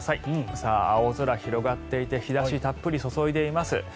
今朝、青空が広がっていて日差したっぷり注いでいます。